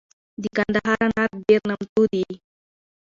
دکندهار انار دیر نامتو دي